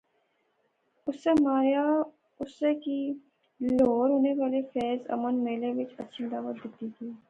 اسے ماریا اس کی لہور ہونے والے فیض امن میلے وچ اچھے نی دعوت دتی گئی